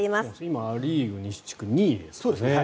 今、ア・リーグ西地区２位ですからね。